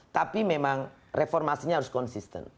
tapi memang reformasinya harus konsisten